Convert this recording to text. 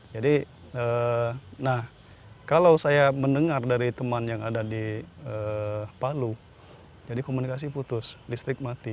jadi kalau saya mendengar dari teman yang ada di palu jadi komunikasi putus listrik mati